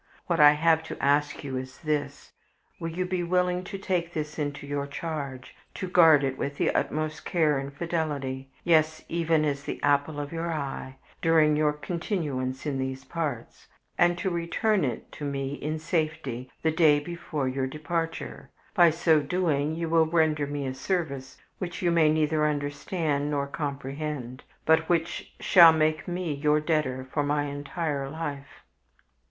What I have to ask you is this: will you be willing to take this into your charge, to guard it with the utmost care and fidelity yes, even as the apple of your eye during your continuance in these parts, and to return it to me in safety the day before your departure? By so doing you will render me a service which you may neither understand nor comprehend, but which shall make me your debtor for my entire life."